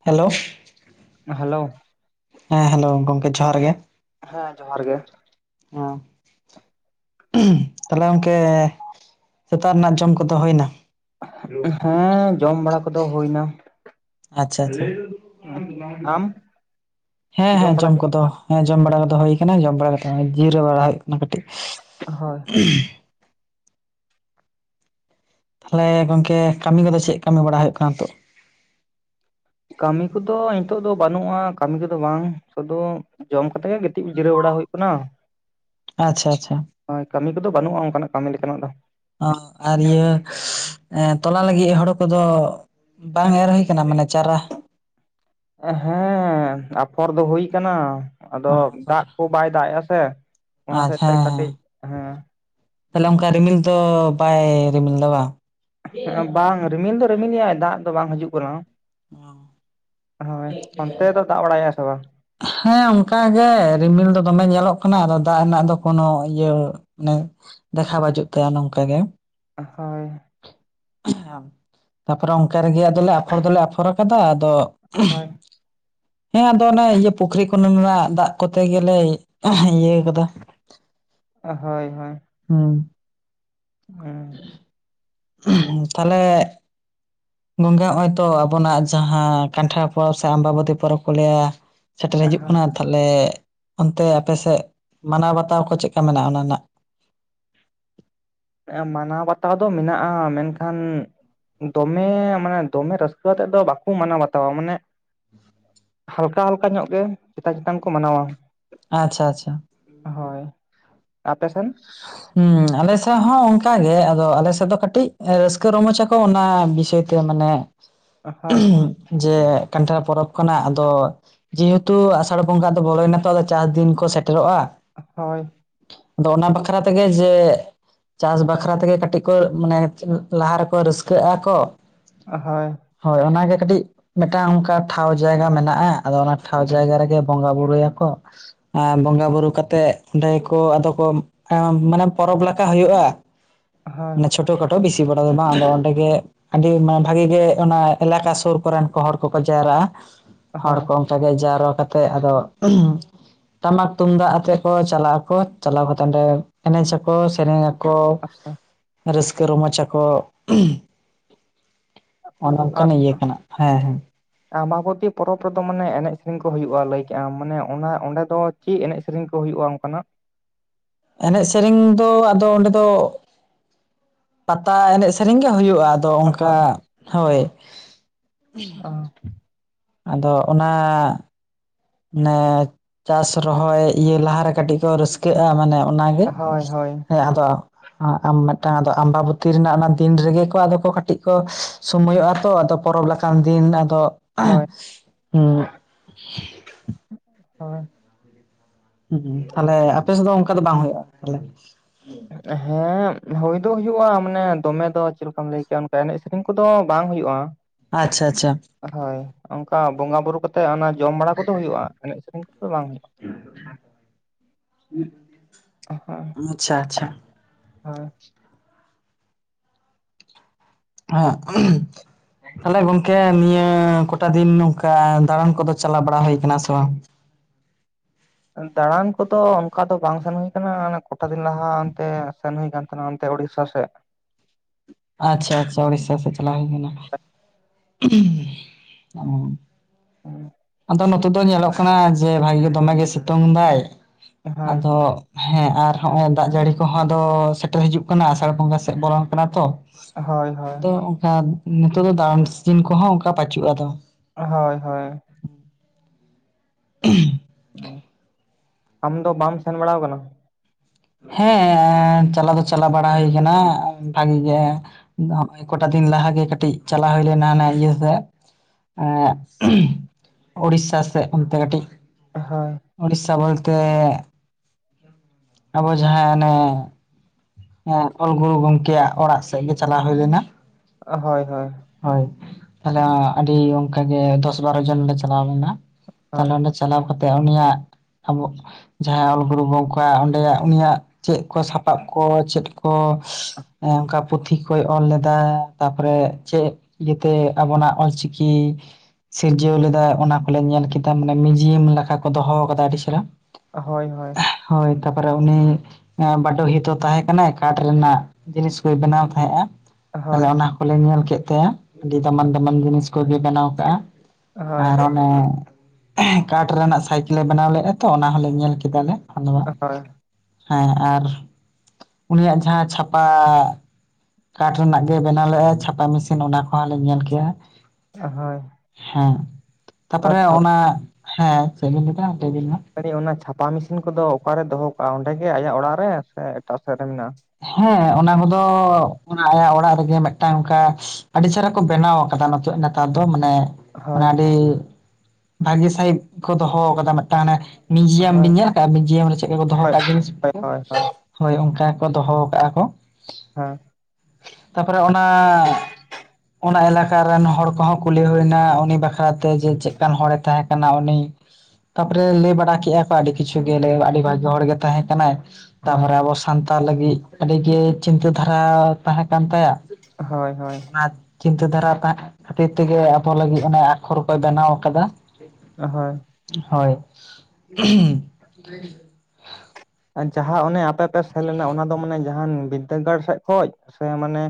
Hello hello ᱦᱮᱸ hello ᱜᱚᱢᱠᱮ ᱡᱚᱦᱟᱨ ᱜᱮ ᱦᱮᱸ ᱡᱚᱦᱟᱨ ᱜᱮ ᱦᱚᱸ ᱛᱟᱦᱞᱮ ᱜᱚᱝᱠᱮ ᱥᱮᱛᱟᱜ ᱨᱮᱱᱟᱜ ᱡᱚᱢ ᱠᱚᱫᱚ ᱦᱩᱭ ᱮᱱᱟ ᱦᱮᱸ ᱡᱚᱢ ᱵᱟᱲᱟ ᱠᱚᱫᱚ ᱦᱩᱭ ᱱᱟ ᱟᱪᱪᱷᱟ ᱟᱪᱪᱷᱟ ᱟᱢ ᱦᱮᱸ ᱦᱮᱸ ᱵᱟᱲᱟ ᱡᱚᱢ ᱠᱮᱫ ᱠᱚᱫᱚ ᱦᱮᱸ ᱡᱚᱢ ᱵᱟᱲᱟ ᱠᱚᱫᱚ ᱦᱩᱭ ᱠᱟᱱᱟ ᱡᱚᱢ ᱵᱟᱲᱟ ᱠᱟᱛᱮ ᱡᱤᱨᱟᱹᱣ ᱵᱟᱲᱟ ᱦᱩᱭᱩᱜ ᱠᱟᱱᱟ ᱠᱟᱹᱴᱤᱡ ᱦᱳᱭ ᱩᱸᱦᱩ ᱛᱟᱦᱚᱞᱮ ᱜᱚᱝᱠᱮ ᱠᱟᱹᱢᱤ ᱠᱚᱫᱚ ᱪᱮᱫ ᱠᱟᱹᱢᱤ ᱵᱟᱲᱟ ᱦᱩᱭᱩᱜ ᱠᱟᱱᱟ ᱱᱤᱛᱚᱜ ᱠᱟᱹᱢᱤ ᱠᱚᱫᱚ ᱱᱤᱛᱚᱜ ᱫᱚ ᱵᱟᱹᱱᱩᱜᱼᱟ ᱠᱟᱹᱢᱤ ᱠᱚᱫᱚ ᱵᱟᱝ ᱥᱩᱫᱩ ᱡᱚᱢ ᱠᱟᱛᱮ ᱜᱮ ᱜᱤᱛᱤᱡ ᱡᱤᱨᱟᱹᱣ ᱵᱟᱲᱟ ᱦᱩᱭᱩᱜ ᱠᱟᱱᱟ ᱟᱪᱪᱷᱟ ᱟᱪᱪᱷᱟ ᱦᱳᱭ ᱠᱟᱹᱢᱤ ᱠᱚᱫᱚ ᱵᱟᱹᱱᱩᱜᱼᱟ ᱚᱱᱠᱟᱱᱟᱜ ᱠᱟᱹᱢᱤ ᱞᱮᱠᱟᱱᱟᱜ ᱫᱚ ᱟᱨ ᱤᱭᱟᱹ ᱛᱚᱞᱟ ᱞᱟᱹᱜᱤᱫ ᱦᱳᱲ ᱠᱚᱫᱚ ᱵᱟᱝ ᱮᱨ ᱦᱩᱭ ᱠᱟᱱᱟ ᱢᱟᱱᱮ ᱪᱟᱨᱟ ᱦᱮᱸ ᱟᱯᱷᱚᱨ ᱫᱚ ᱦᱩᱭ ᱠᱟᱱᱟ ᱟᱫᱚ ᱟᱪᱪᱷᱟ ᱫᱟᱜ ᱠᱚ ᱵᱟᱭ ᱫᱟᱜ ᱮᱼᱟ ᱥᱮ ᱚᱱᱟ ᱦᱮᱸ ᱥᱮᱛ ᱛᱮ ᱠᱟᱹᱴᱤᱡ ᱦᱮᱸ ᱛᱟᱦᱚᱞᱮ ᱚᱱᱠᱟ ᱨᱤᱢᱤᱞ ᱫᱚ ᱵᱟᱭ ᱨᱤᱢᱤᱞ ᱮᱫᱟ ᱵᱟᱝ ᱦᱮᱸ ᱮ ᱵᱟᱝ ᱨᱤᱢᱤᱞ ᱫᱚ ᱨᱤᱢᱤᱞᱮᱟᱭ ᱫᱟᱜ ᱫᱚ ᱵᱟᱝ ᱦᱤᱡᱩᱜ ᱠᱟᱱᱟ ᱦᱳᱭ ᱚᱱᱛᱮ ᱫᱚ ᱫᱟᱜ ᱵᱟᱲᱟᱭᱟ ᱥᱮ ᱵᱟᱝ? ᱦᱮᱸ ᱚᱱᱠᱟᱜᱮ ᱨᱤᱢᱤᱞ ᱫᱚ ᱫᱚᱢᱮ ᱧᱮᱞᱚᱜ ᱠᱟᱱᱟ ᱟᱫᱚ ᱫᱟᱜ ᱨᱮᱱᱟᱜ ᱫᱚ ᱠᱳᱚᱱᱚ ᱤᱭᱟᱹ ᱢᱟᱱᱮ ᱫᱮᱠᱷᱟᱣ ᱵᱟᱡᱩᱜ ᱛᱟᱭᱟ ᱱᱚᱝᱠᱟ ᱜᱮ ᱦᱳᱭ ᱩᱸᱦᱩ ᱛᱟᱨᱯᱚᱨᱮ ᱚᱱᱠᱟ ᱨᱮᱜᱮ ᱟᱫᱚᱞᱮ ᱟᱯᱷᱚᱨ ᱫᱚᱞᱮ ᱟᱯᱷᱚᱨ ᱟᱠᱟᱫᱟ ᱟᱫᱚ ᱩᱸᱦᱩ ᱦᱳᱭ ᱦᱮᱸ ᱟᱫᱚ ᱚᱱᱮ ᱤᱭᱟᱹ ᱯᱩᱠᱷᱨᱤ ᱠᱚ ᱨᱮᱱᱟᱜ ᱫᱟᱜ ᱠᱚᱛᱮ ᱜᱮᱞᱮ ᱮᱻ ᱦᱮᱸ ᱤᱭᱟᱹ ᱠᱟᱫᱟ ᱦᱳᱭ ᱦᱳᱭ ᱦᱮᱸ ᱦᱮᱸ ᱦᱩᱸ ᱛᱟᱦᱚᱞᱮ ᱜᱚᱝᱠᱮ ᱦᱚᱸᱜᱼᱚᱭ ᱛᱚ ᱟᱵᱚᱱᱟᱜ ᱡᱟᱦᱟᱸ ᱠᱟᱱᱴᱷᱟᱲ ᱯᱚᱨᱚᱵᱽ ᱥᱮ ᱟᱢᱵᱟᱵᱚᱛᱤ ᱯᱚᱨᱚᱵᱽ ᱠᱚ ᱞᱟᱹᱭᱟ ᱥᱮᱴᱮᱨ ᱦᱤᱡᱩᱜ ᱠᱟᱱᱟ ᱛᱟᱦᱚᱞᱮ ᱚᱱᱛᱮ ᱟᱯ ᱥᱮᱫ ᱢᱟᱱᱟᱣ ᱵᱟᱛᱟᱣ ᱠᱚ ᱪᱮᱫ ᱞᱮᱠᱟ ᱢᱮᱱᱟᱜᱼᱟ ᱚᱱᱟ ᱱᱟᱜ ᱮ ᱢᱟᱱᱟᱣ ᱵᱟᱛᱟᱣ ᱫᱚ ᱢᱮᱱᱟᱜᱼᱟ ᱢᱮᱱᱠᱷᱟᱱ ᱫᱚᱢᱮ ᱢᱟᱱᱮ ᱫᱚᱢᱮ ᱨᱟᱹᱥᱠᱟᱹ ᱟᱛᱮᱫ ᱫᱚ ᱵᱟᱠᱚ ᱢᱟᱱᱟᱣ ᱵᱟᱛᱟᱣᱟ ᱢᱟᱱᱮ ᱦᱟᱞᱠᱟ ᱦᱟᱞᱠᱟ ᱧᱚᱜ ᱜᱮ ᱪᱮᱛᱟᱱ ᱪᱮᱛᱟᱱ ᱠᱚ ᱢᱟᱱᱟᱣᱼᱟ ᱟᱪᱪᱷᱟ ᱟᱪᱪᱷᱟ ᱦᱳᱭ ᱟᱯᱮᱥᱮᱱ [unintelligible] ᱦᱸ ᱟᱞᱮᱥᱮᱫ ᱦᱚᱸ ᱚᱱᱠᱟ ᱜᱮ ᱟᱫᱚ ᱟᱞᱮᱥᱮᱫ ᱫᱚ ᱠᱟᱹᱴᱤᱡ ᱨᱟᱹᱥᱠᱟᱹ ᱨᱚᱢᱚᱚᱡ ᱟᱠᱚ ᱚᱱᱟ ᱵᱤᱥᱚᱭ ᱛᱮ ᱢᱟᱱᱮ ᱦᱳᱭ ᱩᱦᱸ ᱡᱮ ᱠᱟᱱᱴᱷᱟᱲ ᱯᱚᱨᱚᱵᱽ ᱠᱟᱱᱟ ᱟᱫᱚ ᱡᱮᱦᱮᱛᱩ ᱟᱥᱟᱲ ᱵᱚᱸᱜᱟ ᱫᱚ ᱵᱚᱞᱚᱭᱮᱱᱟ ᱛᱚ ᱟᱫᱚ ᱪᱟᱥ ᱫᱤᱱ ᱠᱚ ᱥᱮᱴᱮᱨᱚᱜᱼᱟ ᱦᱳᱭ ᱟᱫᱚ ᱚᱱᱟ ᱵᱟᱠᱷᱨᱟ ᱛᱮᱜᱮ ᱡᱮ ᱪᱟᱥ ᱵᱟᱠᱷᱨᱟ ᱛᱮᱜᱮ ᱠᱟᱹᱴᱤᱡ ᱠᱚ ᱢᱟᱱᱮ ᱞᱟᱦᱟ ᱨᱮᱠᱚ ᱨᱟᱹᱥᱠᱟᱹᱟᱠᱚ ᱦᱳᱭ ᱦᱳᱭ ᱚᱱᱟᱜᱮ ᱠᱟᱹᱴᱤᱡ ᱢᱤᱫᱴᱟᱝ ᱚᱱᱠᱟ ᱴᱷᱟᱶ ᱡᱟᱭᱜᱟ ᱢᱮᱱᱟᱜᱼᱟ ᱟᱫᱚ ᱚᱱᱟ ᱴᱷᱟᱶ ᱡᱟᱭᱜᱟ ᱨᱮᱜᱮ ᱵᱚᱸᱜᱟ ᱵᱩᱨᱩᱭᱟᱠᱚ ᱟ ᱵᱚᱸᱜᱟ ᱵᱩᱨᱩ ᱠᱟᱛᱮᱫ ᱚᱸᱰᱮ ᱠᱚ ᱟᱫᱚ ᱠᱚ ᱢᱟᱱᱮ ᱯᱚᱨᱚᱵᱽ ᱞᱮᱠᱟ ᱦᱩᱭᱩᱜᱼᱟ ᱦᱳᱭ ᱢᱟᱱᱮ ᱪᱷᱚ ᱴᱚ ᱠᱷᱟᱴᱚ ᱵᱤᱥᱤ ᱵᱟᱲᱟ ᱢᱟ ᱟᱸᱰᱮ ᱚᱸᱰᱮᱜ ᱜᱮ ᱟᱹᱰᱤ ᱢᱟ ᱵᱷᱟᱜᱤ ᱜᱮ ᱚᱱᱟ ᱮᱞᱟᱠᱟ ᱥᱩᱨ ᱠᱚᱨᱮᱱ ᱠᱚ ᱦᱚᱲ ᱠᱚᱠᱚ ᱡᱟᱣᱨᱟᱜᱼᱟ ᱦᱚᱲ ᱦᱳᱭ ᱠᱚ ᱮᱴᱟᱜᱮ ᱡᱟᱣᱨᱟ ᱠᱟᱛᱮᱜ ᱟᱫᱚ ᱩᱦᱸᱻ ᱴᱟᱢᱟᱠ ᱛᱩᱢᱫᱟᱜ ᱟᱛᱮᱜ ᱠᱚ ᱪᱟᱞᱟᱜ ᱟᱠᱚ ᱪᱟᱞᱟᱣ ᱠᱟᱛᱮ ᱚᱸᱰᱮ ᱮᱱᱮᱡ ᱟᱠᱚ ᱥᱮᱨᱮᱧ ᱟᱠᱚ ᱨᱟᱹᱥᱠᱟᱹ ᱨᱚᱢᱚᱡ ᱟᱠᱚ ᱩᱦᱸ ᱚᱱᱮ ᱚᱱᱠᱱᱟᱜ ᱤᱭᱟᱹ ᱠᱟᱱᱟ ᱦᱮᱸ ᱟᱢᱟᱵᱚᱛᱤ ᱯᱚᱨᱚᱵᱽ ᱨᱮᱫᱚ ᱢᱟᱱᱮ ᱮᱱᱮᱡ ᱥᱮᱨᱮᱧ ᱠᱚ ᱦᱩᱭᱩᱜᱼᱟ ᱞᱟᱹᱭ ᱠᱮᱜᱼᱟᱢ ᱢᱟᱱᱮ ᱚᱱᱟ ᱚᱸᱰᱮ ᱫᱚ ᱪᱮᱫ ᱮᱱᱮᱡ ᱥᱮᱨᱮᱧ ᱠᱚ ᱦᱩᱭᱩᱜᱼᱟ ᱚᱱᱠᱟᱱᱟᱜ? ᱮᱱᱮᱡ ᱥᱮᱨᱮᱧ ᱫᱚ ᱟᱫᱚ ᱚᱸᱰᱮ ᱫᱚ ᱯᱟᱛᱟ ᱮᱱᱮᱡ ᱥᱮᱨᱮᱧ ᱜᱮ ᱦᱩᱭᱩᱜᱼᱟ, ᱟᱫᱚ ᱚᱱᱠᱟ ᱦᱳᱭ ᱦᱳᱭ [unintelligible] ᱟᱫᱚ ᱚᱱᱟ ᱱᱮ ᱪᱟᱥ ᱨᱚᱦᱚᱭ ᱤᱭᱟᱹ ᱞᱟᱦᱟᱨᱮ ᱠᱟᱹᱴᱤᱡ ᱠᱚ ᱨᱟᱹᱥᱠᱟᱹᱜᱼᱟ, ᱢᱟᱱᱮ ᱚᱱᱟᱜᱮ ᱦᱳᱭ ᱦᱳᱭ ᱦᱮᱸ ᱟᱫᱚ ᱟᱸ ᱟᱢ ᱢᱤᱫᱴᱟᱝ ᱟᱫᱚ ᱟᱢᱵᱟᱵᱚᱛᱤ ᱨᱮᱱᱟᱜ ᱚᱱᱟ ᱫᱤᱱ ᱨᱮᱜᱮ ᱠᱚ ᱟᱫᱚ ᱠᱚ ᱠᱟᱹᱴᱤᱡ ᱠᱚ ᱥᱚᱢᱚᱭᱚᱜ-ᱟ ᱛᱚ ᱟᱫᱚ ᱯᱚᱨᱚᱵᱽ ᱞᱮᱠᱟᱱ ᱫᱤᱱ ᱟᱫᱚ ᱦᱳᱭ ᱦᱳᱭ ᱦᱩᱸ ᱛᱟᱦᱚᱞᱮ ᱟᱯᱮ ᱥᱮᱫ ᱫᱚ ᱚᱱᱠᱟ ᱫᱚ ᱵᱟᱝ ᱦᱩᱭᱩᱜᱼᱟ ᱛᱟᱦᱚᱞᱮ ᱦᱮᱸ ᱦᱩᱭ ᱫᱚ ᱦᱩᱭᱩᱜᱼᱟ ᱢᱟᱱᱮ ᱫᱚᱢᱮ ᱫᱚ ᱪᱮᱫ ᱞᱮᱠᱟᱢ ᱞᱟᱹᱭ ᱠᱮᱭᱟ ᱚᱱᱠᱟ ᱮᱱᱮᱡ ᱩᱱ ᱠᱚᱫᱚ ᱵᱟᱝ ᱦᱩᱭᱩᱜᱼᱟ, ᱟᱪᱪᱷᱟ ᱟᱪᱪᱷᱟ, ᱦᱳᱭ ᱚᱱᱠᱟ ᱵᱚᱸᱜᱟ ᱵᱩᱨᱩ ᱠᱟᱛᱮ ᱛᱮ ᱚᱱᱟ ᱡᱚᱢ ᱵᱟᱲᱟ ᱠᱚᱫᱚ ᱦᱩᱭᱩᱜᱼᱟ ᱮᱱᱮᱡ ᱥᱮᱨᱮᱧ ᱠᱚᱫᱚ ᱵᱟᱝ ᱦᱩᱭᱩᱜᱼᱟ, [unintelligible] ᱟᱪᱪᱷᱟ ᱟᱪᱷᱟ, ᱦᱳᱭ [unintelligible] ᱛᱟᱦᱚᱞᱮ ᱜᱚᱝᱠᱮ ᱱᱤᱭᱟᱹ ᱠᱚᱴᱟ ᱫᱤᱱ ᱱᱚᱝᱠᱟ ᱫᱟᱬᱟᱱ ᱠᱚᱫᱚ ᱪᱟᱞᱟᱣ ᱵᱟᱲᱟ ᱦᱩᱭ ᱠᱟᱱᱟ ᱥᱮ ᱵᱟᱝ? ᱫᱟᱬᱟᱱ ᱠᱚᱫᱚ ᱚᱱᱠᱟ ᱫᱚ ᱵᱟᱝ ᱥᱮᱱ ᱦᱩᱭ ᱠᱟᱱᱟ ᱟᱱᱮ ᱠᱚᱴᱟ ᱫᱤᱱ ᱞᱟᱦᱟ ᱚᱱᱛᱮ ᱥᱮᱱ ᱦᱩᱭ ᱠᱟᱱ ᱚᱱᱮ ᱚᱱᱛᱮ ᱩᱲᱤᱥᱥᱟ ᱥᱮᱫ, ᱟᱪᱪᱷᱟ ᱟᱪᱪᱷᱟ ᱩᱲᱤᱥᱟ ᱥᱮᱫ ᱪᱟᱞᱟᱣ ᱦᱩᱭ ᱞᱮᱱᱟ? [unintelligible] ᱚ ᱚ ᱟᱫᱚ ᱱᱚᱛᱮ ᱫᱚ ᱧᱮᱞᱚᱜ ᱠᱟᱱᱟ ᱡᱮ ᱵᱷᱟᱜᱮ ᱜᱮ ᱫᱚᱢᱮ ᱜᱮ ᱥᱤᱛᱩᱝ ᱫᱟᱭ, ᱟᱫᱚ ᱦᱳᱭ ᱦᱮᱸ ᱟᱨ ᱦᱚᱸᱜ ᱚᱭ ᱫᱟᱜ ᱡᱟᱹᱲᱤ ᱠᱚᱦᱚᱸ ᱟᱫᱚ ᱥᱮᱴᱮᱨ ᱦᱤᱡᱩᱜ ᱠᱟᱱᱟ ᱟᱥᱟᱲ ᱵᱚᱸᱜᱟ ᱥᱮᱫ ᱵᱚᱞᱚᱱ ᱠᱟᱱᱟ ᱛᱚ ᱦᱳᱭ ᱦᱳᱭ ᱟᱫᱚ ᱚᱱᱠᱟ ᱱᱤᱛᱳᱜ ᱫᱚ ᱫᱟᱬᱟᱱ ᱥᱤᱡᱤᱱ ᱠᱚᱦᱚᱸ ᱚᱱᱠᱟ ᱵᱟᱪᱩᱜᱼᱟᱫᱚ, ᱦᱳᱭ ᱦᱳᱭ, [unintelligible] ᱩᱸ ᱟᱢ ᱫᱚ ᱵᱟᱢ ᱥᱮᱱ ᱵᱟᱲᱟᱣ ᱟᱠᱟᱱᱟ? ᱦᱮᱸ ᱪᱟᱞᱟᱣ ᱫᱚ ᱪᱟᱞᱟ ᱵᱟᱲᱟ ᱦᱩᱭ ᱠᱟᱱᱟ ᱵᱷᱟᱜᱤ ᱜᱮ, ᱱᱚᱜ-ᱚᱭ ᱠᱚᱴᱟ ᱫᱤᱱ ᱞᱟᱦᱟᱜᱮ ᱠᱟᱹᱴᱤᱡ ᱪᱟᱞᱟᱣ ᱦᱩᱭ ᱞᱮᱱᱟ ᱦᱟᱱᱮ ᱤᱭᱟᱹ ᱥᱮᱫ, ᱮᱸ ᱳᱲᱤᱥᱥᱟ ᱥᱮᱫ ᱚᱱᱛᱮ ᱠᱟᱹᱴᱤᱡ, ᱦᱳᱭ, ᱳᱲᱤᱥᱥᱟ ᱵᱳᱞᱛᱮ ᱟᱵᱚ ᱡᱟᱦᱟᱸ ᱟᱱᱮ ᱚᱞ ᱜᱩᱨᱩ ᱜᱚᱢᱠᱮᱭᱟᱜ ᱚᱲᱟᱜ ᱥᱮᱫ ᱜᱮ ᱪᱟᱞᱟᱣ ᱦᱩᱭ ᱞᱮᱱᱟ, ᱦᱳᱭ ᱦᱳᱭ, ᱦᱳᱭ ᱛᱟᱦᱚᱞᱮ ᱟᱹᱰᱤ ᱚᱱᱠᱟᱜᱮ ᱫᱚᱥ ᱵᱟᱨᱚ ᱡᱚᱱ ᱞᱮ ᱪᱟᱞᱟᱣ ᱞᱮᱱᱟ, ᱦᱳᱭ ᱛᱟᱦᱞᱮ ᱚᱸᱰᱮ ᱪᱟᱞᱟᱣ ᱠᱟᱛᱮᱜ ᱩᱱᱤᱭᱟᱜ ᱟᱵᱚᱜ ᱡᱟᱦᱟᱸ ᱚᱞ ᱜᱩᱨᱩ ᱜᱚᱢᱠᱮᱣᱟᱜ ᱚᱸᱰᱮᱭᱟᱜ ᱩᱱᱤᱭᱟᱜ ᱪᱮᱫ ᱠᱚ ᱥᱟᱯᱟᱵ ᱠᱚ ᱪᱮᱫ ᱠᱚ ᱚᱱᱠᱟ ᱯᱩᱛᱷᱤ ᱠᱚᱭ ᱚᱞ ᱞᱮᱫᱟ, ᱛᱟᱨᱯᱚᱨᱮ ᱪᱮᱫ ᱤᱭᱟᱹᱛᱮ ᱟᱵᱚᱱᱟᱜ ᱚᱞᱪᱤᱠᱤ ᱥᱤᱨᱡᱟᱹᱣ ᱞᱮᱫᱟ ᱚᱱᱟ ᱠᱚᱞᱮ ᱧᱮᱞ ᱠᱮᱫᱟ, ᱢᱟᱱᱮ ᱢᱤᱣᱡᱤᱭᱟᱢ ᱞᱮᱠᱟ ᱠᱚ ᱫᱚᱦᱚ ᱟᱠᱟᱫᱟ ᱟᱹᱰᱤ ᱪᱮᱨᱦᱟ᱾ ᱦᱳᱭ ᱦᱳᱭ, ᱦᱳᱭ ᱛᱟ ᱯᱚᱨᱮ ᱩᱱᱤ ᱮᱸ ᱵᱟᱰᱳᱦᱤ ᱛᱚ ᱛᱟᱦᱮᱸ ᱠᱟᱱᱟᱭ ᱠᱟᱴ ᱨᱮᱱᱟᱜ ᱡᱤᱱᱤᱥ ᱠᱚᱭ ᱵᱮᱱᱟᱣ ᱛᱟᱦᱮᱸᱫᱼᱟ᱾ ᱛᱟᱦᱚᱞᱮ ᱦᱳᱭ ᱚᱱᱟ ᱠᱚᱞᱮ ᱧᱮᱞ ᱠᱮᱫ ᱛᱟᱭᱟ ᱟᱹᱰᱤ ᱫᱟᱢᱟᱱ ᱫᱟᱢᱟᱱ ᱡᱤᱱᱤᱥ ᱠᱚᱜᱮᱭ ᱵᱮᱱᱟᱣ ᱠᱟᱜᱼᱟ, ᱦᱳᱭ ᱟᱨ ᱚᱱᱮ [unintelligible] ᱠᱟᱴ ᱨᱮᱱᱟᱜ ᱥᱟᱭᱠᱮᱞᱮ ᱵᱮᱱᱟᱣ ᱞᱮᱫᱼᱟ ᱛᱚ ᱚᱱᱟ ᱦᱚᱞᱮ ᱧᱮᱞ ᱠᱮᱫᱟᱞᱮ, ᱟᱫᱚ ᱵᱟᱝ ᱦᱳᱭ ᱦᱮᱸ ᱟᱨ ᱩᱱᱤᱭᱟᱜ ᱡᱟᱦᱟᱸ ᱪᱷᱟᱯᱟ ᱠᱟᱴ ᱨᱮᱱᱟᱜ ᱜᱮ ᱵᱮᱱᱟᱣ ᱞᱮᱫᱼᱟᱭ ᱪᱷᱟᱯᱟ ᱢᱮᱥᱤᱱ ᱚᱱᱟ ᱠᱚᱦᱚᱸ ᱞᱮ ᱧᱮᱞ ᱠᱮᱜᱼᱟ, ᱦᱳᱭ ᱦᱮᱸ ᱛᱟᱯᱚᱨᱮ ᱚᱱᱟ ᱦᱮᱸ ᱪᱮᱫ ᱵᱮᱱ ᱫᱤᱱ ᱞᱮᱵᱤᱱ ᱢᱟ [unintelligible] ᱚᱱᱟ ᱪᱷᱟᱯᱟ ᱢᱮᱥᱤᱱ ᱠᱚᱫᱚ ᱚᱠᱟᱨᱮ ᱫᱚᱦᱚ ᱠᱟᱜᱼᱟ ᱚᱸᱰᱮ ᱜᱮ ᱟᱭᱟᱜ ᱚᱲᱟᱜ ᱨᱮ, ᱥᱮ ᱮᱴᱟᱜ ᱥᱮᱫ ᱨᱮ ᱢᱮᱱᱟᱜᱼᱟ? ᱦᱮᱸ ᱚᱱᱟ ᱠᱚᱫᱚ ᱟᱭᱟᱜ ᱚᱲᱟᱜ ᱨᱮᱜᱮ ᱢᱤᱫᱴᱟᱝ ᱚᱱᱠᱟ ᱟᱹᱰᱤ ᱪᱮᱦᱨᱟ ᱠᱚ ᱵᱮᱱᱟᱣ ᱟᱠᱟᱫᱟ ᱱᱤᱛᱚᱜ ᱱᱮᱛᱟᱨ ᱫᱚ ᱢᱟᱱᱮ ᱢᱟᱱᱮ ᱦᱳᱭ ᱟᱹᱰᱤ ᱵᱷᱟᱹᱜᱤ ᱥᱟᱹᱦᱤᱡ ᱠᱚ ᱫᱚᱦᱚ ᱟᱠᱟᱫᱟ ᱢᱮᱫᱴᱟᱝ ᱟᱱᱮ ᱢᱤᱭᱩᱡᱤᱭᱟᱢ ᱦᱳᱭ ᱵᱤᱱ ᱧᱮᱞ ᱟᱠᱟᱫᱼᱟ ᱢᱤᱭᱡᱤᱭᱟᱢ ᱪᱮᱫ ᱞᱮᱠᱟ ᱠᱚ ᱫᱚᱦᱚ ᱦᱳᱭ ᱠᱟᱜᱼᱟ ᱡᱤᱱᱤᱥ ᱦᱳᱭ ᱠᱚ ᱦᱳᱭ ᱦᱳᱭ ᱚᱱᱠᱟ ᱫᱚᱦᱚ ᱠᱟᱜᱼᱟ ᱠᱚ᱾ ᱦᱮᱸ ᱛᱟᱯᱚᱨᱮ ᱚᱱᱟ ᱚᱱᱟ ᱮᱞᱟᱠᱟ ᱨᱮᱱ ᱦᱚᱲ ᱠᱚᱦᱚᱸ ᱠᱩᱞᱤ ᱦᱩᱭᱱᱟ ᱩᱱᱤ ᱵᱟᱠᱷᱨᱟ ᱛᱮ ᱡᱮ ᱪᱮᱫ ᱞᱮᱠᱟᱱ ᱦᱚᱲᱮ ᱛᱟᱦᱮᱸ ᱠᱟᱱᱟ ᱩᱱᱤ ᱛᱟᱯᱚᱨᱮ ᱞᱟᱹᱭ ᱵᱟᱲᱟ ᱠᱮᱫᱼᱟ ᱠᱚ ᱟᱹᱰᱤ ᱠᱤᱪᱷᱩ ᱜᱮ ᱟᱹᱰᱤ ᱵᱷᱟᱜᱤ ᱦᱚᱲ ᱜᱮ ᱛᱟᱦᱮᱸ ᱠᱟᱱᱟᱭ᱾ ᱦᱳᱭ ᱛᱟᱯᱚᱨᱮ ᱟᱵᱚ ᱥᱟᱱᱛᱟᱲ ᱞᱟᱹᱜᱤᱫ ᱟᱹᱰᱤᱜᱮ ᱪᱤᱱᱛᱟᱹ ᱫᱷᱟᱨᱟ ᱛᱟᱦᱮᱸ ᱠᱟᱱ ᱛᱟᱭᱟ? ᱦᱳᱭ ᱦᱳᱭ ᱚᱱᱟ ᱪᱤᱱᱛᱟᱹ ᱫᱷᱟᱨᱟ ᱛᱟ ᱠᱷᱟᱹᱛᱤᱨ ᱛᱮᱜᱮ ᱟᱵᱚ ᱞᱟᱹᱜᱤᱫ ᱚᱱᱮ ᱟᱠᱷᱚᱨ ᱠᱚ ᱵᱮᱱᱟᱣ ᱠᱟᱫᱟ᱾ ᱮᱸ ᱦᱳᱭ ᱦᱳᱭ [unintelligible] ᱡᱟᱦᱟᱸ ᱚᱱᱮ ᱯᱮ ᱯᱮ ᱥᱮᱱ ᱞᱮᱱᱟ ᱚᱱᱟ ᱫᱚ ᱢᱟᱱᱮ ᱡᱟᱦᱟᱸᱱ ᱵᱤᱫᱽᱫᱟᱹᱜᱟᱲ ᱥᱮᱫ ᱠᱷᱚᱡ ᱥᱮ, ᱢᱟᱱᱮ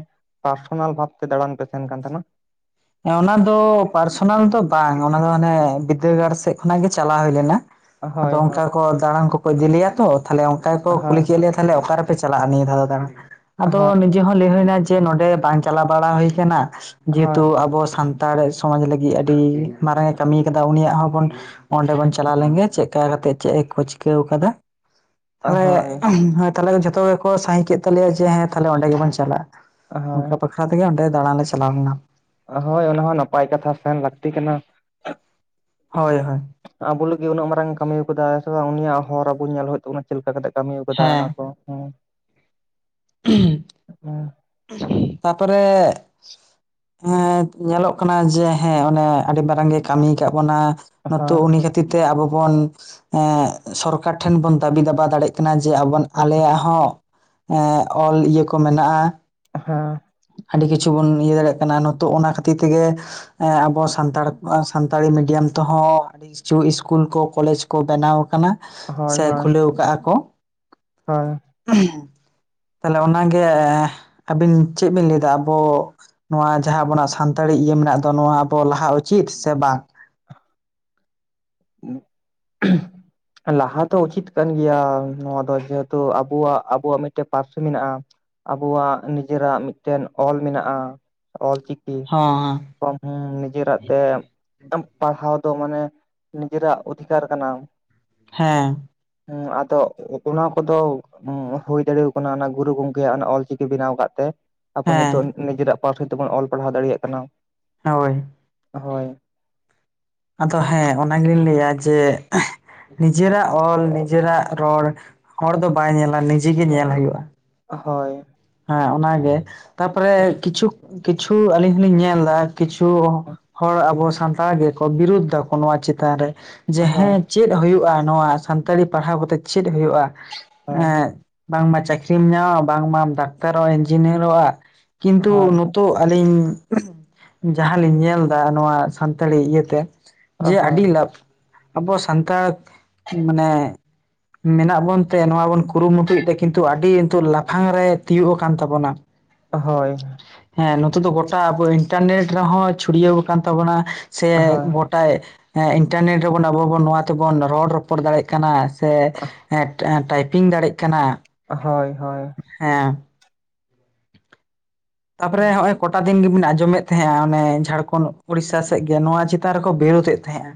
ᱯᱟᱨᱥᱚᱱᱟᱞ ᱵᱷᱟᱵ ᱛᱮ ᱫᱟᱬᱟᱱ ᱯᱮ ᱥᱮᱱ ᱠᱟᱱ ᱛᱟᱦᱮᱱᱟ? ᱚᱱᱟ ᱫᱚ ᱯᱟᱨᱥᱚᱱᱟᱞ ᱫᱚ ᱵᱟᱝ ᱚᱱᱟ ᱫᱚ ᱚᱱᱮ ᱵᱤᱫᱽᱫᱟᱹᱜᱟᱲ ᱥᱮᱜ ᱠᱷᱚᱱᱟᱜ ᱜᱮ ᱪᱟᱞᱟᱣ ᱦᱩᱭ ᱞᱮᱱᱟ᱾ ᱟᱫᱚ ᱦᱳᱭ ᱦᱳᱭ ᱚᱱᱠᱟ ᱠᱚ ᱫᱟᱬᱟᱱ ᱠᱚᱠᱚ ᱤᱫᱤ ᱞᱮᱭᱟ ᱛᱚ ᱛᱟᱦᱚᱞᱮ ᱚᱱᱠᱟ ᱜᱮᱠᱚ ᱦᱳᱭ ᱠᱩᱞᱤ ᱠᱮᱫ ᱞᱮᱭᱟ, ᱛᱟᱦᱚᱞᱮ ᱚᱠᱟ ᱨᱮ ᱯᱮ ᱪᱟᱞᱟᱜᱼᱟ ᱱᱤᱭᱟᱹ ᱫᱷᱟᱣ ᱫᱚ ᱫᱟᱬᱟᱱ, ᱟᱫᱚ ᱦᱳᱭ ᱱᱤᱡᱮ ᱦᱚᱸ ᱞᱟᱹᱭ ᱦᱩᱭᱱᱟ ᱡᱮ ᱱᱚᱰᱮ ᱵᱟᱝ ᱪᱟᱞᱟ ᱵᱟᱲᱟ ᱦᱩᱭ ᱠᱟᱱᱟ᱾ ᱦᱳᱭ ᱡᱮᱦᱮᱛᱩ ᱟᱵᱚ ᱥᱟᱱᱛᱟᱲ ᱥᱚᱢᱟᱡᱽ ᱞᱟᱹᱜᱤᱜ ᱟᱹᱰᱤ ᱢᱟᱨᱟᱝ ᱮ ᱠᱟᱹᱢᱤ ᱠᱟᱫᱟ, ᱩᱱᱤᱭᱟᱜ ᱦᱚᱸ ᱵᱚᱱ ᱚᱸᱰᱮ ᱵᱚᱱ ᱪᱟᱞᱟᱣ ᱞᱮᱱ ᱜᱮ ᱪᱮᱜᱠᱟ ᱠᱟᱛᱮᱜ ᱪᱮᱫ ᱮ ᱠᱚ ᱪᱤᱠᱟᱹᱣ ᱠᱟᱫᱟ᱾ ᱦᱳᱭ ᱦᱮᱸ ᱛᱟᱦᱚᱞᱮ ᱡᱷᱚᱛᱚ ᱜᱮᱠᱚ ᱥᱟᱭ ᱠᱮᱜ ᱛᱟᱞᱮᱭᱟ ᱡᱮ ᱦᱮᱸ ᱛᱟᱦᱚᱞᱮ ᱚᱱᱰᱮ ᱜᱮᱵᱚᱱ ᱪᱟᱞᱟᱜᱼᱟ᱾ ᱦᱳᱭ ᱚᱱᱠᱟ ᱵᱟᱠᱷᱨᱟ ᱛᱮᱜᱮ ᱚᱸᱰᱮ ᱫᱟᱬᱟᱱ ᱞᱮ ᱪᱟᱞᱟᱣ ᱞᱮᱱᱟ᱾ ᱦᱳᱭ ᱚᱱᱟ ᱦᱚᱸ ᱱᱟᱯᱟᱭ ᱠᱟᱛᱷᱟ ᱥᱮᱱ ᱞᱟᱹᱠᱛᱤ ᱠᱟᱱᱟ᱾ ᱦᱳᱭᱻᱦᱳᱭᱻ᱾ ᱟᱵᱚ ᱞᱟᱹᱜᱤᱜ ᱩᱱᱟᱹᱜ ᱢᱟᱨᱟᱝ ᱮ ᱠᱟᱹᱢᱤ ᱠᱟᱫᱟ, ᱥᱮ ᱵᱟᱝ ᱩᱱᱤᱭᱟᱜ ᱦᱚᱨ ᱟᱵᱚ ᱧᱮᱞ ᱦᱩᱭᱩᱜ ᱛᱟᱵᱚᱱᱟ᱾ ᱪᱮᱫ ᱞᱮᱠᱟ ᱠᱟᱛᱮᱜ ᱠᱟᱹᱢᱤ ᱠᱟᱫᱟ ᱚᱱᱟ ᱠᱚ ᱦᱮᱸ᱾ ᱦᱩᱸ ᱦᱮᱸ ᱛᱟᱯᱚᱨᱮ ᱦᱮᱸ ᱧᱮᱞᱚᱜ ᱠᱟᱱᱟ ᱡᱮ ᱦᱮᱸ ᱚᱱᱮ ᱟᱹᱰᱤ ᱢᱟᱨᱟᱝ ᱜᱮ ᱠᱟᱹᱢᱤ ᱠᱟᱜ ᱵᱚᱱᱟ, ᱱᱤᱛᱳᱜ ᱦᱳᱭ ᱩᱱᱤ ᱠᱷᱟ ᱠᱷᱟᱹᱛᱤᱨ ᱛᱮ ᱟᱵᱚ ᱵᱚᱱ ᱮᱸ ᱥᱚᱨᱠᱟᱨ ᱴᱷᱮᱱ ᱵᱚᱱ ᱫᱟᱹᱵᱤ ᱫᱟᱵᱟ ᱫᱟᱲᱮᱜ ᱠᱟᱱᱟ ᱡᱮ ᱟᱵᱚ ᱟᱞᱮᱭᱟᱜ ᱦᱚᱸ ᱚᱞ ᱤᱭᱟᱹ ᱠᱚ ᱢᱮᱱᱟᱜᱼᱟ᱾ ᱦᱮᱸᱻ᱾ ᱟᱹᱰᱤ ᱠᱤᱪᱷᱩ ᱵᱚᱱ ᱤᱭᱟᱹ ᱫᱟᱲᱮᱜ ᱠᱟᱱᱟ, ᱱᱤᱛᱚᱜ ᱚᱱᱟ ᱠᱷᱟᱹᱛᱤᱨ ᱛᱮᱜᱮ ᱟᱵᱚ ᱥᱟᱱᱛᱟᱲ ᱥᱟᱱᱛᱟᱲᱤ ᱢᱤᱰᱤᱭᱟᱢ ᱛᱮᱦᱚᱸ ᱠᱤᱪᱷᱩ ᱤᱥᱠᱩᱞ ᱠᱚ ᱠᱚᱞᱮᱡᱽ ᱠᱚ ᱵᱮᱱᱟᱣ ᱠᱟᱱᱟ ᱾ ᱦᱳᱭᱻᱦᱳᱭᱻ᱾ ᱚᱠᱟᱜᱼᱟᱠᱚ ᱦᱳᱭ ᱛᱟᱦᱚᱞᱮ ᱚᱱᱟᱜᱮ ᱟᱹᱵᱤᱱ ᱪᱮᱜ ᱵᱤᱱ ᱞᱟᱹᱭᱫᱟ ᱟᱵᱚ ᱱᱚᱣᱟ ᱡᱟᱦᱟᱸ ᱟᱵᱚᱱᱟᱜ ᱥᱟᱱᱛᱟᱲᱤ ᱤᱭᱟᱹ ᱢᱮᱱᱟᱜ ᱫᱚ ᱱᱚᱣᱟ ᱟᱵᱚ ᱞᱟᱦᱟ ᱩᱪᱤᱛ ᱥᱮ ᱵᱟᱝ? [unintelligible] [inaudible] ᱞᱟᱦᱟ ᱫᱚ ᱩᱪᱤᱛ ᱠᱟᱱ ᱜᱮᱭᱟ ᱱᱚᱣᱟ ᱫᱚ, ᱡᱮᱦᱮᱛᱩ ᱟᱵᱚᱣᱟᱜ ᱟᱵᱚᱣᱟᱜ ᱢᱤᱫᱴᱟᱝ ᱯᱟᱹᱨᱥᱤ ᱢᱮᱱᱟᱜᱼᱟ᱾ ᱟᱵᱚᱣᱟᱜ ᱱᱤᱡᱮᱨᱟᱜ ᱢᱤᱫᱴᱮᱱ ᱚᱞ ᱢᱮᱱᱟᱜᱼᱟ, ᱚᱞ ᱪᱤᱠᱤ᱾ ᱦᱚᱸᱦᱮᱸ, [unintelligible] ᱱᱤᱡᱮᱨᱟᱜ ᱛᱮᱢ ᱯᱟᱲᱦᱟᱣ ᱫᱚ ᱢᱟᱱᱮ ᱱᱤᱡᱮᱨᱟᱜ ᱚᱫᱷᱤᱠᱟᱨ ᱠᱟᱱᱟ᱾ ᱦᱮᱸ᱾ ᱦᱩᱸ ᱟᱫᱚ ᱚᱱᱟ ᱠᱚᱫᱚ ᱦᱳᱭ ᱫᱟᱲᱮ ᱠᱟᱱᱟ ᱚᱱᱟ ᱜᱩᱨᱩ ᱜᱚᱝᱠᱮᱭᱟᱜ ᱚᱱᱟ ᱚᱞᱪᱤᱠᱤ ᱵᱮᱱᱟᱣ ᱠᱟᱜ ᱛᱮ᱾ ᱟᱵᱚ ᱦᱮᱸ ᱱᱤᱛᱚᱜ ᱱᱤᱡᱮᱨᱟᱜ ᱯᱟᱹᱨᱥᱤ ᱛᱮᱵᱚᱱ ᱚᱞ ᱯᱟᱲᱦᱟᱣ ᱫᱟᱲᱮᱭᱟᱜ ᱠᱟᱱᱟ᱾ ᱦᱳᱭ᱾ ᱦᱳᱭ᱾ ᱟᱫᱚ ᱦᱮᱸ ᱚᱱᱟᱜᱤᱞᱤᱧ ᱞᱮᱭᱟ ᱡᱮ ᱱᱤᱡᱮᱨᱟᱜ ᱚᱞ, ᱱᱤᱡᱮᱨᱟᱜ ᱨᱚᱲ, ᱦᱚᱲ ᱫᱚ ᱵᱟᱭ ᱧᱮᱞᱟ ᱱᱤᱡᱮᱜᱮ ᱧᱮᱞ ᱦᱳᱭᱳᱜᱼᱟ᱾ ᱦᱳᱭ᱾ ᱦᱮᱸ ᱚᱱᱟᱜᱮ ᱛᱟᱯᱚᱨᱮ ᱠᱤᱪᱷᱩ, ᱠᱤᱪᱷᱩ ᱟᱹᱞᱤᱧ ᱦᱚᱞᱤᱧ ᱧᱮᱞ ᱫᱟ ᱠᱤᱪᱷᱩ ᱦᱚᱲ ᱟᱵᱚ ᱥᱟᱱᱛᱟᱲ ᱜᱮᱠᱚ ᱵᱤᱨᱩᱫᱽ ᱫᱟᱠᱚ ᱱᱚᱣᱟ ᱪᱮᱛᱟᱱ ᱨᱮ᱾ ᱡᱮ ᱦᱳᱭ ᱦᱮᱸ ᱪᱮᱫ ᱦᱩᱭᱩᱜᱼᱟ ᱱᱚᱣᱟ, ᱥᱟᱱᱛᱟᱲᱤ ᱯᱟᱲᱦᱟᱣ ᱠᱟᱛᱮᱜ ᱪᱮᱫ ᱦᱩᱭᱩᱜᱼᱟ, ᱦᱳᱭ ᱮᱜ ᱵᱟᱝᱢᱟ ᱪᱟᱹᱠᱷᱨᱤᱢ ᱧᱟᱢᱟ ᱵᱟᱝᱢᱟ ᱰᱟᱠᱛᱟᱨᱚᱜᱼᱟ, ᱤᱧᱡᱤᱱᱤᱭᱟᱨᱚᱜᱼᱟ ᱠᱤᱱᱛᱩ ᱦᱳᱭ ᱱᱩ ᱛᱚ ᱟᱹᱞᱤᱧ ᱡᱟᱦᱟᱸ ᱞᱤᱧ ᱧᱮᱞᱫᱟ ᱱᱚᱣᱟ ᱥᱟᱱᱛᱟᱲᱤ ᱤᱭᱟᱹᱛᱮ ᱦᱳᱭ ᱡᱮ ᱟᱹᱰᱤ ᱞᱟᱵᱷ ᱟᱵᱚ ᱥᱟᱱᱛᱟᱲ ᱢᱟᱱᱮ ᱢᱮᱱᱟᱜ ᱵᱚᱱ ᱛᱮ ᱱᱚᱣᱟ ᱵᱚᱱ ᱠᱩᱨᱩᱢᱩᱴᱩᱭᱮᱫ ᱛᱮ ᱠᱤᱱᱛᱩ ᱟᱹᱰᱤ ᱱᱤᱛᱚᱜ ᱞᱟᱯᱷᱟᱝ ᱨᱮ ᱛᱤᱭᱳᱜ ᱟᱠᱟᱱ ᱛᱟᱵᱚᱱᱟ᱾ ᱦᱳᱭ ᱦᱮᱸ ᱱᱤᱛᱚᱜ ᱫᱚ ᱜᱚᱴᱟ ᱟᱵᱚ ᱤᱱᱴᱟᱨᱱᱮᱴ ᱨᱮᱦᱚᱸ ᱪᱷᱩᱲᱭᱟᱹᱣ ᱟᱠᱟᱱ ᱛᱟᱵᱚᱱᱟ ᱥᱮ ᱛᱟᱭ ᱤᱱᱴᱟᱨᱱᱮᱴ ᱨᱮᱵᱚᱱ ᱟᱵᱚ ᱵᱚᱱ ᱱᱚᱣᱟ ᱛᱮᱵᱚᱱ ᱨᱚᱲ ᱨᱚᱯᱚᱲ ᱫᱟᱲᱮᱭᱟᱜ ᱠᱟᱱᱟ ᱥᱮ ᱴᱟᱭᱯᱤᱝ ᱫᱟᱲᱮᱜ ᱠᱟᱱᱟ ᱦᱳᱭ ᱦᱳᱭ ᱦᱮᱸ ᱛᱟᱯᱚᱨᱮ ᱦᱚᱜᱼᱚᱭ ᱠᱚᱴᱟ ᱫᱤᱱ ᱜᱤᱵᱤᱱ ᱟᱸᱡᱚᱢᱮᱫ ᱛᱟᱦᱮᱸᱜᱼᱟ ᱚᱱᱮ ᱡᱷᱟᱲᱠᱷᱚᱸᱰ ᱩᱲᱤᱥᱥᱟ ᱥᱮᱜ ᱜᱮ ᱱᱚᱣᱟ ᱪᱮᱛᱟᱱ ᱨᱮᱠᱚ ᱵᱮᱨᱳᱫ ᱮ ᱛᱟᱦᱮᱸᱜᱼᱟ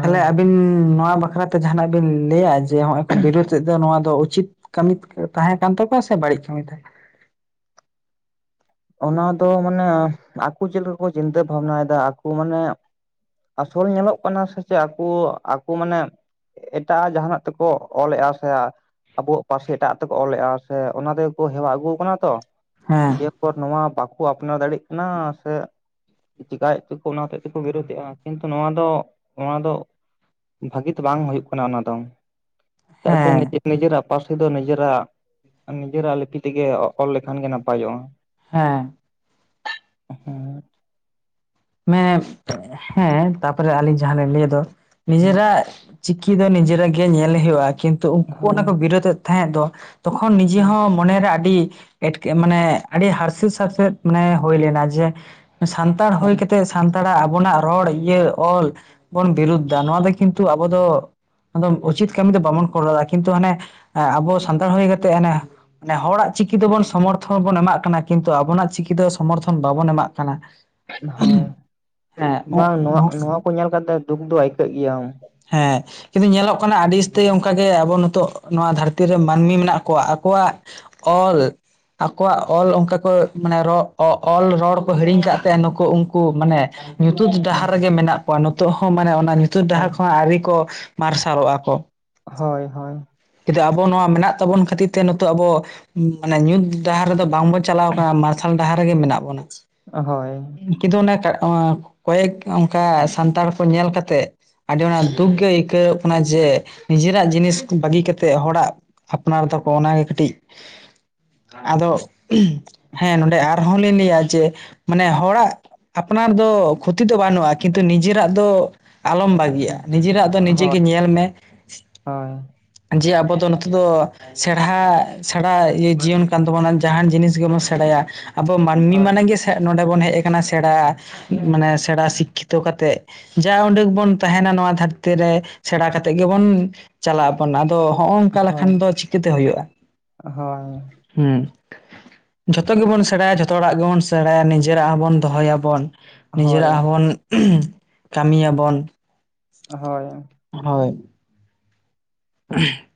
ᱛᱟᱞᱦᱮ ᱟᱵᱤᱱ ᱱᱚᱣᱟ ᱵᱟᱠᱷᱨᱟᱛᱮ ᱡᱟᱦᱟᱱᱟᱜ ᱵᱤᱱ ᱞᱟᱹᱭᱟ ᱡᱮ ᱦᱚᱜᱼᱚᱭ ᱠᱚ ᱵᱤᱨᱚᱫᱮᱫ ᱫᱚ ᱱᱚᱣᱟ ᱫᱚ ᱩᱪᱤᱛ ᱠᱟᱹᱢᱤ ᱛᱟᱦᱮᱸ ᱠᱟᱱ ᱛᱟᱠᱚᱣᱟ ᱥᱮ ᱵᱟᱹᱲᱤᱡ ᱠᱟᱹᱢᱤ ᱛᱟᱦᱮᱸ ᱚᱱᱟ ᱫᱚ ᱢᱟᱱᱮ ᱟᱠᱚ ᱪᱮᱫ ᱞᱮᱠᱟ ᱠᱚ ᱪᱤᱱᱛᱟᱹ ᱵᱷᱟᱵᱱᱟᱭᱮᱫᱟ ᱟᱠᱚ ᱢᱟᱱᱮ ᱟᱥᱚᱞᱮ ᱧᱮᱞᱚᱜ ᱠᱟᱱᱟ ᱥᱮ ᱪᱮᱫ ᱟᱠᱚ ᱟᱠᱚ ᱢᱟᱱᱮ ᱮᱴᱟᱜ ᱡᱟᱦᱟᱱᱟᱜ ᱛᱮᱠᱚ ᱚᱞᱮᱜᱼᱟ ᱥᱮ ᱟᱵᱚᱣᱟᱜ ᱯᱟᱹᱨᱥᱤ ᱮᱴᱟᱜᱼᱟᱜ ᱛᱮᱠᱚ ᱚᱞᱮᱜᱼᱟ ᱥᱮ ᱚᱱᱟ ᱛᱮᱜᱮ ᱠᱚ ᱦᱮᱣᱟ ᱟᱹᱜᱩ ᱠᱟᱱᱟ ᱛᱚ ᱦᱮᱸ [unintelligible] ᱱᱚᱣᱟ ᱵᱟᱠᱚ ᱟᱯᱱᱟᱨ ᱫᱟᱲᱮᱜ ᱠᱟᱱᱟ ᱥᱮ ᱪᱤᱠᱟᱭᱮ ᱪᱚᱠᱚ ᱚᱱᱟ ᱦᱚᱛᱮᱛ ᱛᱮᱠᱚ ᱠᱤᱨᱳᱫᱮᱜᱼᱟ [unintelligible] ᱱᱚᱣᱟ ᱫᱚ ᱱᱚᱣᱟ ᱫᱚ ᱵᱷᱟᱹᱜᱤ ᱫᱚ ᱵᱟᱝ ᱦᱚᱭᱩᱜ ᱠᱟᱱᱟ ᱚᱱᱟ ᱫᱚ ᱪᱮᱫᱟᱜ ᱥᱮ ᱦᱮᱸ ᱱᱤᱡᱮ ᱱᱤᱡᱮᱨᱟᱜ ᱯᱟᱹᱨᱥᱤ ᱫᱚ ᱱᱤᱡᱮᱨᱟᱜ ᱱᱤᱡᱮᱨᱟᱜ ᱞᱤᱯᱤ ᱛᱮᱜᱮ ᱚᱞ ᱞᱮᱠᱷᱟᱱ ᱜᱮ ᱱᱟᱯᱟᱭᱚᱜᱼᱟ ᱦᱮᱸ [unintelligible] [unintelligible] ᱦᱮᱸ ᱛᱟᱯᱚᱨᱮ ᱟᱹᱞᱤᱧ ᱡᱟᱦᱟᱸ ᱞᱤᱧ ᱞᱟᱹᱭ ᱫᱚ ᱦᱮᱸ ᱱᱤᱡᱮᱨᱟᱜ ᱪᱤᱠᱤ ᱫᱚ ᱱᱤᱡᱮᱨᱟᱜ ᱜᱮ ᱧᱮᱞ ᱦᱳᱭᱳᱜᱼᱟ ᱠᱤᱱᱛᱩ ᱩᱱᱠᱩ ᱚᱱᱟ ᱦᱳᱭ ᱠᱚ ᱵᱤᱨᱳᱫ ᱮᱫ ᱛᱟᱦᱮᱸᱫ ᱫᱚ ᱛᱚᱠᱷᱚᱱ ᱱᱤᱡᱮ ᱦᱳᱭ ᱦᱚᱸ ᱢᱚᱱᱮᱨᱮ ᱟᱹᱰᱤ ᱮᱴᱠᱮ ᱢᱟᱱᱮ ᱟᱹᱰᱤ ᱦᱟᱨᱥᱮᱛ ᱥᱟᱨᱥᱮᱛ ᱢᱟᱱᱮ ᱦᱩᱭ ᱞᱮᱱᱟ ᱡᱮ ᱥᱟᱱᱛᱟᱲ ᱦᱩᱭ ᱦᱳᱭ ᱠᱟᱛᱮ ᱥᱟᱱᱛᱟᱲᱟᱜ ᱟᱵᱚᱱᱟᱜ ᱨᱚᱲ ᱤᱭᱟᱹ ᱚᱞ ᱵᱚᱱ ᱵᱤᱨᱩᱫᱽᱫᱟ ᱱᱚᱣᱟ ᱫᱚ ᱠᱤᱱᱛᱩ ᱟᱵᱚ ᱫᱚ ᱩᱪᱤᱛ ᱠᱟᱹᱢᱤ ᱫᱚ ᱵᱟᱵᱚᱱ ᱠᱚᱨᱟᱣ ᱠᱤᱱᱛᱩ ᱦᱟᱱᱮ ᱟᱵᱚ ᱥᱟᱱᱛᱟᱲ ᱦᱳᱭ ᱠᱟᱛᱮᱜ ᱦᱟᱱᱮ ᱢᱟᱱᱮ ᱦᱚᱲᱟᱜ ᱪᱤᱠᱤ ᱫᱚᱵᱚᱱ ᱥᱚᱢᱚᱨᱛᱷᱚᱱ ᱵᱚᱱ ᱮᱢᱟᱜ ᱠᱟᱱᱟ ᱠᱤᱱᱛᱩ ᱟᱵᱚᱱᱟᱜ ᱪᱤᱠᱤ ᱫᱚ ᱥᱚᱢᱚᱨᱛᱷᱚᱱ ᱵᱟᱵᱚᱱ ᱮᱢᱟᱜ ᱠᱟᱱᱟ [unintelligible] ᱦᱳᱭ ᱦᱮᱸ ᱵᱟᱝ ᱱᱚᱣᱟ ᱱᱚᱣᱟ ᱠᱚ ᱧᱮᱞ ᱠᱟᱛᱮ ᱫᱩᱠ ᱫᱚ ᱟᱹᱭᱠᱟᱹᱜ ᱜᱮᱭᱟᱢ ᱦᱮᱸ ᱠᱤᱱᱛᱩ ᱧᱮᱞᱚᱜ ᱠᱟᱱᱟ ᱟᱹᱰᱤ ᱩᱥᱛᱟᱹᱣ ᱚᱱᱸᱠᱟᱜᱮ ᱟᱵᱚ ᱱᱤᱛᱚᱜ ᱱᱚᱣᱟ ᱫᱷᱟᱹᱨᱛᱤ ᱨᱮ ᱢᱟᱹᱱᱢᱤ ᱢᱮᱱᱟᱜ ᱠᱚᱣᱟ ᱟᱠᱚᱣᱟᱜ ᱚᱞ ᱟᱠᱚᱣᱟᱜ ᱚᱞ ᱚᱱᱠᱟ ᱠᱚ ᱢᱟᱱᱮ ᱨᱚ ᱚ ᱚᱞ ᱨᱚᱲ ᱠᱚ ᱦᱤᱲᱤᱧ ᱠᱟᱫ ᱛᱮ ᱱᱩᱠᱩ ᱩᱱᱠᱩ ᱢᱟᱱᱮ ᱧᱩᱛᱩᱫ ᱰᱟᱦᱟᱨ ᱨᱮᱜᱮ ᱢᱮᱱᱟᱜ ᱠᱚᱣᱟ ᱱᱤᱛᱚᱜ ᱦᱚᱸ ᱢᱟᱱᱮ ᱚᱱᱟ ᱧᱩᱛᱩᱛ ᱦᱳᱭ ᱰᱟᱦᱟᱨ ᱠᱷᱚᱱᱟᱜ ᱟᱣᱹᱨᱤ ᱠᱚ ᱢᱟᱨᱥᱟᱞ ᱚᱜᱼᱟ ᱠᱚ ᱦᱳᱭ ᱦᱳᱭ [unintelligible] ᱟᱵᱚ ᱱᱚᱣᱟ ᱢᱮᱱᱟᱜ ᱛᱟᱵᱚᱱ ᱠᱷᱟᱹᱛᱤᱨ ᱛᱮ ᱱᱤᱛᱚᱜ ᱟᱵᱚ ᱢᱟᱱᱮ ᱧᱩᱛ ᱰᱟᱦᱟᱨ ᱨᱮᱫᱚ ᱵᱟᱝ ᱵᱚ ᱪᱟᱞᱟᱣ ᱟᱠᱟᱱᱟ ᱢᱟᱨᱥᱟᱞ ᱰᱟᱦᱟᱨ ᱨᱮᱜᱮ ᱢᱮᱱᱟᱜ ᱵᱚᱱᱟ ᱦᱳᱭ ᱠᱤᱱᱛᱩ ᱚᱱᱮ ᱠᱚᱭᱮᱠ ᱚᱱᱠᱟ ᱥᱟᱱᱛᱟᱲ ᱠᱚ ᱧᱮᱞ ᱠᱟᱛᱮᱜ ᱟᱹᱰᱤ ᱚᱱᱟ ᱫᱩᱠ ᱜᱮ ᱟᱹᱭᱠᱟᱹᱣᱚᱜ ᱠᱟᱱᱟ ᱡᱮ ᱱᱤᱡᱮᱨᱟᱜ ᱡᱤᱱᱤᱥ ᱵᱟᱹᱜᱤ ᱠᱟᱛᱮᱜ ᱦᱚᱲᱟᱜ ᱟᱯᱱᱟᱨ ᱫᱟᱠᱚ ᱚᱱᱟᱜᱮ ᱠᱟᱹᱴᱤᱡ ᱟᱫᱚ ᱦᱮᱸ ᱱᱚᱸᱰᱮ ᱟᱨᱦᱚᱸ ᱞᱤᱧ ᱞᱮᱭᱟ ᱡᱮ ᱢᱟᱱᱮ ᱦᱚᱲᱟᱜ ᱟᱯᱱᱟᱨ ᱫᱚ ᱠᱷᱚᱛᱤ ᱫᱚ ᱵᱟᱹᱱᱩᱜᱼᱟ ᱠᱤᱱᱛᱩ ᱱᱤᱡᱮ ᱨᱟᱜ ᱫᱚ ᱟᱞᱚᱢ ᱵᱟ ᱱᱤᱡᱮᱨᱟᱜ ᱫᱚ ᱱᱤᱡᱮ ᱦᱳᱭ ᱜᱮ ᱧᱮᱞ ᱢᱮ ᱦᱳᱭ ᱡᱮ ᱟᱵᱚ ᱫᱚ ᱱᱚᱛᱮ ᱫᱚ ᱥᱮᱬᱦᱟ ᱥᱟᱬᱟ ᱤᱭᱟᱹ ᱡᱤᱭᱚᱱ ᱠᱟᱱ ᱛᱟᱵᱚ ᱴᱱᱟ ᱡᱟᱦᱟᱱ ᱡᱤᱱᱤᱥ ᱜᱮ ᱵᱚᱱ ᱥᱮᱬᱟ ᱭᱟ ᱟᱵᱚ ᱢᱟᱹᱱᱢᱤ ᱦᱳᱭ ᱢᱟᱱᱮᱜ ᱜᱮ ᱱᱚᱰᱮ ᱵᱚᱱ ᱦᱮᱜ ᱠᱟᱱᱟ ᱥᱮᱬᱟ ᱢᱟᱱᱮ ᱥᱮᱬᱟ ᱥᱤᱠᱷᱤᱛᱚ ᱠᱟᱛᱮᱜ ᱡᱟ ᱩᱸᱰᱟᱝ ᱵᱚᱱ ᱛᱟᱦᱮ ᱱᱟ ᱱᱚᱣᱟ ᱫᱷᱟᱹᱨᱛᱤ ᱨᱮ ᱥᱮᱬᱟ ᱠᱟᱛᱮᱫ ᱜᱮᱵᱚᱱ ᱪᱟᱞᱟᱜᱼᱟ [unintelligible] ᱟᱫᱚ ᱦᱚᱸᱜᱼᱚ ᱱᱚᱝᱠᱟ ᱦᱳᱭ ᱞᱮᱠᱷᱟᱱ ᱫᱚ ᱪᱤᱠᱟᱹᱛᱮ ᱦᱩᱭᱩᱜᱼᱟ, ᱦᱳᱭ ᱦᱩᱸ ᱡᱷᱚᱛᱚ ᱜᱮᱵᱚᱱ ᱥᱮᱬᱟᱭᱟ ᱡᱷᱚᱛᱚ ᱦᱚᱲᱟᱜ ᱜᱮᱵᱚᱱ ᱥᱮᱬᱟᱭᱟ ᱱᱤᱡᱮᱨᱟᱜ ᱦᱚᱸᱵᱚᱱ ᱫᱚᱦᱚ ᱭᱟ ᱵᱚᱱ ᱦᱳᱭ ᱱᱤᱡᱮᱨᱟᱜ ᱦᱚᱸ ᱵᱚᱱ ᱠᱟᱹᱢᱤᱭᱟᱵᱚᱱ᱾ ᱦᱳᱭ ᱦᱳᱭ [unintelligible]